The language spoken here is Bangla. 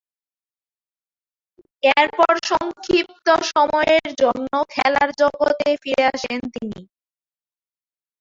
এরপর সংক্ষিপ্ত সময়ের জন্য খেলার জগতে ফিরে আসেন তিনি।